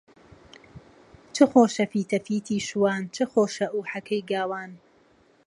چ خۆشە فیتەفیتی شوان، چ خۆشە ئوحەکەی گاوان